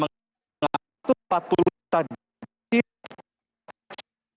mengatur empat puluh juta dosis